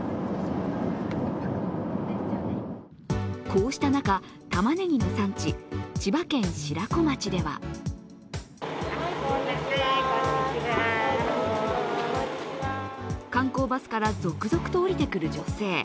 こうした中、たまねぎの産地千葉県白子町では観光バスから続々と降りてくる女性。